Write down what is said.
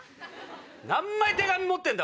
何枚手紙持ってんだ！